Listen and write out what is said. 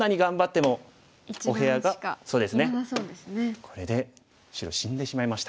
これで白死んでしまいました。